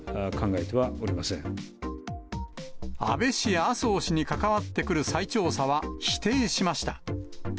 安倍氏、麻生氏に関わってくる再調査は否定しました。